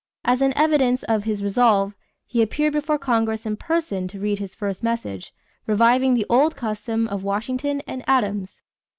As an evidence of his resolve, he appeared before Congress in person to read his first message, reviving the old custom of Washington and Adams.